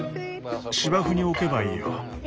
芝生に置けばいいよ。